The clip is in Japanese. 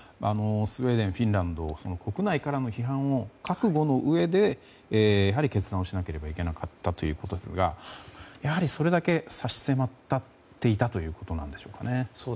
スウェーデン、フィンランド国内からの批判を覚悟のうえで決断をしなければいけなかったということですがやはりそれだけ差し迫っていたということなんでしょうか。